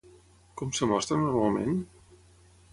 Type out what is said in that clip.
Com és mostra normalment?